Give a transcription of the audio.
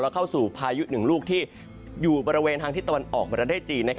เข้าสู่พายุหนึ่งลูกที่อยู่บริเวณทางที่ตะวันออกประเทศจีน